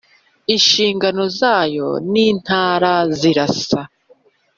inshingano zayo n Intara zirasa